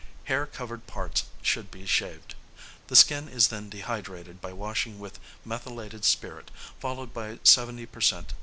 Hair covered parts should be shaved. The skin is then dehydrated by washing with methylated spirit, followed by 70 per cent.